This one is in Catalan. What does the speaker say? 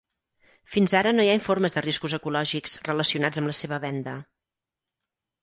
Fins ara no hi ha informes de riscos ecològics relacionats amb la seva venda.